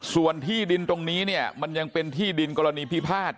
ส่วนที่ดินตรงนี้เนี่ยมันยังเป็นที่ดินกรณีพิพาท